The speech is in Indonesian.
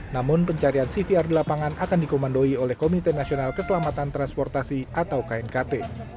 namun pencarian cvr di lapangan akan dikomandoi oleh komite nasional keselamatan transportasi atau knkt